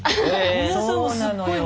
そうなのよ。